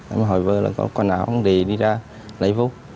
em hỏi vợ là có quần áo không để đi ra lấy vô